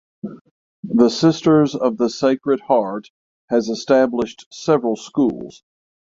The Sisters of the Sacred Heart has established several schools.